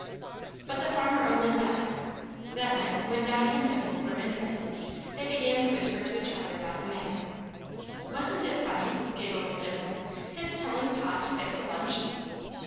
But the farmer only laughed. That night, when Dotty and Dimple were in bed, they began to whisper to each other about the man. "Wasn't it funny," giggled Dimple, "his telling Pa to fix a lunch?"